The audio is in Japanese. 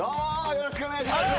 よろしくお願いします。